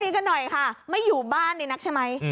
กันหน่อยค่ะไม่อยู่บ้านดีนักใช่ไหม